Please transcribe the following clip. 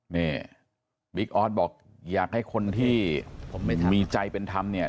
นี่บิ๊กออสบอกอยากให้คนที่มีใจเป็นธรรมเนี่ย